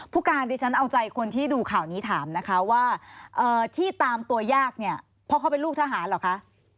ผู้การดิฉันเอาใจคนที่ดูข่าวนี้ถามนะคะว่าที่ตามตัวยากเนี่ยเพราะเขาเป็นลูกทหารเหรอคะ